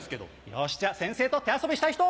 よしじゃあ先生と手遊びしたい人？